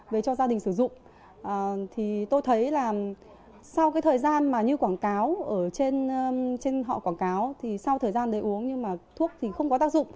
về cho gia đình sử dụng thì tôi thấy là sau cái thời gian mà như quảng cáo ở trên họ quảng cáo thì sau thời gian đấy uống nhưng mà thuốc thì không có tác dụng